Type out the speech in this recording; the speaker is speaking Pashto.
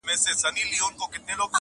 که ستا چيري اجازه وي محترمه,